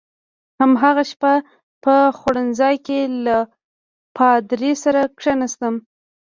هماغه شپه په خوړنځای کې له پادري سره کېناستم.